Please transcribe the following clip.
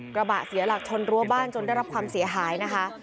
กระบะเสียหลักชนรั้วบ้านจนได้รับความเสียหายนะคะ